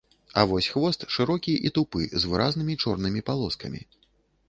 А вось хвост шырокі і тупы, з выразнымі чорнымі палоскамі.